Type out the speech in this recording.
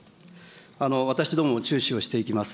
私どもも注視をしていきます。